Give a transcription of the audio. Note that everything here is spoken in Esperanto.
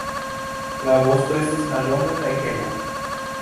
La vosto estas mallonga kaj hela.